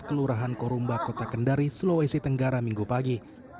kelurahan korumba kota kendari sulawesi tenggara minggu pagi